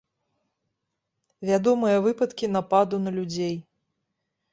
Вядомыя выпадкі нападу на людзей.